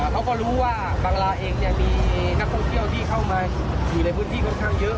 เขาก็รู้ว่าบังลาเองมีนักท่องเที่ยวที่เข้ามาอยู่ในพื้นที่ค่อนข้างเยอะ